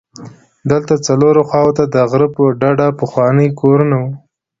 دلته څلورو خواوو ته د غره په ډډه پخواني کورونه وو.